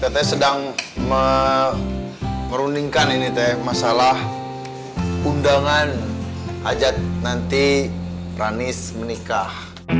teteh sedang memerundingkan ini teh masalah undangan ajat nanti ranis menikah